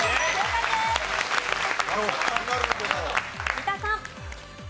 三田さん。